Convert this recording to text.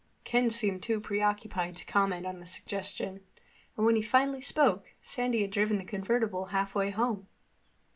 Ken seemed too preoccupied to comment on the suggestion, and when he finally spoke, Sandy had driven the convertible halfway home.